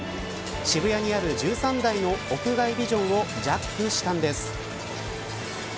渋谷にある１３台の屋外ビジョンをジャックしたんです。